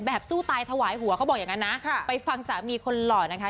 สู้ตายถวายหัวเขาบอกอย่างนั้นนะไปฟังสามีคนหล่อนะคะ